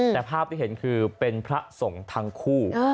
แต่ภาพที่เห็นคือเป็นพระสงฆ์ทั้งคู่